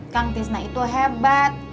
kang cisna itu hebat